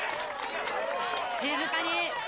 静かに！